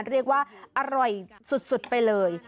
เรียกว่าอร่อยสุดไปเลย